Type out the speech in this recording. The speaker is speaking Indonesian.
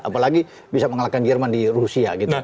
apalagi bisa mengalahkan jerman di rusia gitu